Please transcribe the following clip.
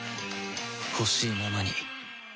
ほしいままに